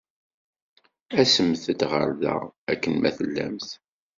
Asemt-d ɣer da akken ma tellamt.